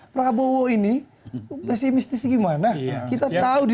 prabowo ini pesimistis gimana kita tahu di